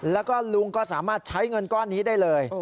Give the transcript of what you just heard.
แล้วก็ลุงก็สามารถใช้เงินก้อนนี้ได้เลย